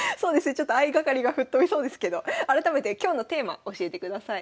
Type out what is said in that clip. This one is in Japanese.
ちょっと相掛かりが吹っ飛びそうですけど改めて今日のテーマ教えてください。